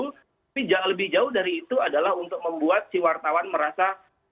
tapi lebih jauh dari itu adalah untuk membuat si wartawan merasa